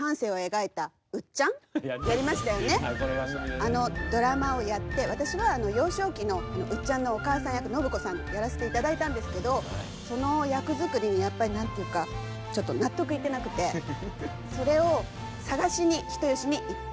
あのドラマをやって私は幼少期のうっちゃんのお母さん役のぶ子さんやらせていただいたんですけどその役作りにやっぱり何ていうかちょっと納得いってなくてそれを探しに人吉に行って。